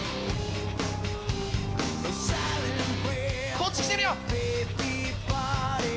こっち来てるよ！